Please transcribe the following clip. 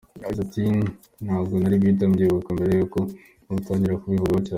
Yagize ati “Ntabwo nari guhita mbyibuka mbere y’uko mutangira kubivugaho cyane.